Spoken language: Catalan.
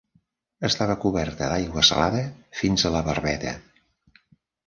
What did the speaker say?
Estava coberta d'aigua salada fins a la barbeta.